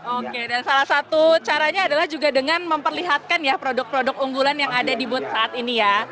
oke dan salah satu caranya adalah juga dengan memperlihatkan ya produk produk unggulan yang ada di booth saat ini ya